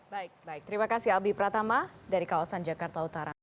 baik baik terima kasih albi pratama dari kawasan jakarta utara